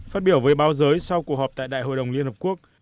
phát biểu với báo giới sau cuộc họp tại đại hội đồng liên hợp quốc